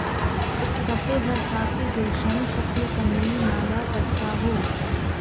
کفِ ہر خاکِ گلشن‘ شکلِ قمری‘ نالہ فرسا ہو